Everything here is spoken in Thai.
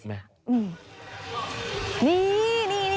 อาปมบาเละจะเละไหม